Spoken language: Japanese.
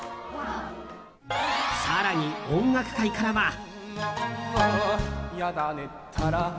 更に音楽界からは。